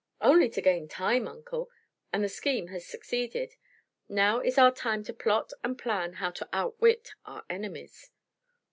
"Only to gain time, Uncle. And the scheme has succeeded. Now is our time to plot and plan how to outwit our enemies."